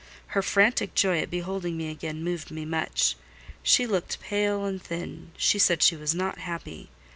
Her frantic joy at beholding me again moved me much. She looked pale and thin: she said she was not happy.